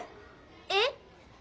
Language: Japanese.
えっ！？